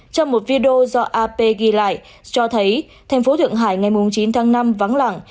trong một video do ap ghi lại cho thấy thành phố thượng hải ngày chín tháng năm vắng lặng